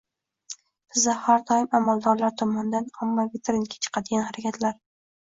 Bizda har doim amaldorlar tomonidan ommaviy trendga chiqadigan harakatlar